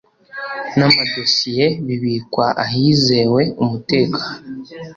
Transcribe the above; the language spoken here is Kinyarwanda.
n amadosiye bibikwa ahizewe umutekano